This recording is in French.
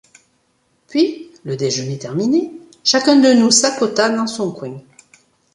Puis, le déjeuner terminé, chacun de nous s’accota dans son coin.